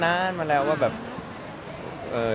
ลงมาลงได้หรือเปล่าคุณเขียวผมได้รูปก่อนลงได้หรือเปล่า